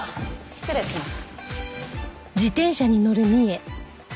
失礼します。